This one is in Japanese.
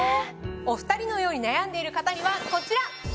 お２人のように悩んでいる方にはこちら！